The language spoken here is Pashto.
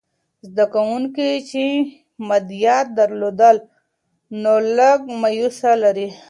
زده کوونکي چې مادیات درلودل، نو لږ مایوسې لري.